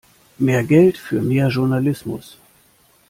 Mehr Geld für mehr Journalismus!